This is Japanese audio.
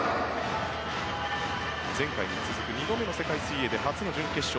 前回に続く２度目の世界水泳で初の準決勝。